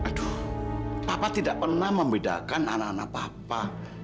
aduh papa tidak pernah membedakan anak anak papa